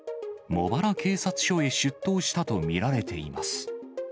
茂原警察署へ出頭したと見られています。